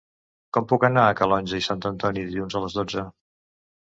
Com puc anar a Calonge i Sant Antoni dilluns a les dotze?